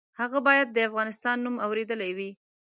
هغه باید د افغانستان نوم اورېدلی وي.